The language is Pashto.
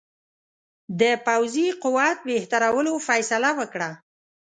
د پوځي قوت بهترولو فیصله وکړه.